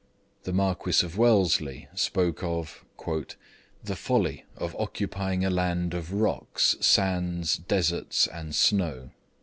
The Marquis Wellesley spoke of 'the folly of occupying a land of rocks, sands, deserts, and snow.'